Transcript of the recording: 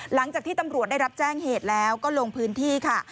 หลังจากที่ตำรวจได้รับแจ้งเหตุแล้วก็ลงพื้นที่ค่ะ